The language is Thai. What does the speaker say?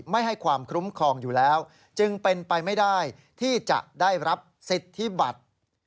ไม่ให้ความคุ้มครองอยู่แล้วจึงเป็นไปไม่ได้ที่จะได้รับสิทธิบัติ